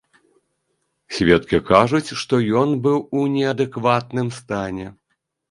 Сведкі кажуць, што ён быў у неадэкватным стане.